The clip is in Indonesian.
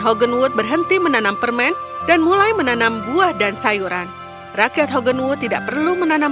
hogan wood berhenti menanam permen dan mulai menanam buah dan sayuran rakyat hogenwood tidak perlu menanam